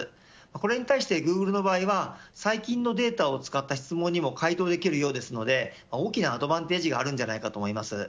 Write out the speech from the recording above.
これに対してグーグルの場合は最近のデータを使った質問にも回答できるようですので大きなアドバンテージがあるんじゃないかと思います。